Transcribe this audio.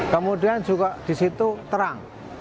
kemudian juga di situ terang